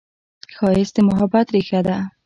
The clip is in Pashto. ښایست د محبت ریښه ده